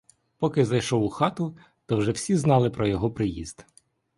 Поки зайшов у хату, то вже всі знали про його приїзд.